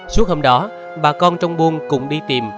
suốt hôm đó bà con trong buôn cũng đi tìm